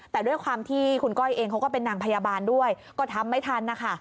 แต่ด้วยความที่คุณก้อยเองเขาก็เป็นนางพยาบาลด้วยก็ทำไม่ทันนะคะ